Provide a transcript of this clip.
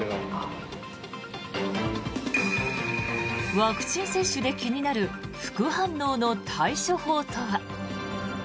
ワクチン接種で気になる副反応の対処法とは？